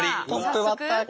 わっトップバッターか。